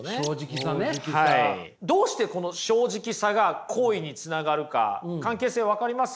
どうしてこの「正直さ」が好意につながるか関係性分かります？